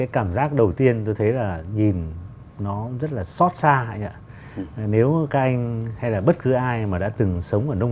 cảm giác đầu tiên tôi thấy là nhìn nó rất là xót xa nếu các anh hay là bất cứ ai mà đã từng sống ở nông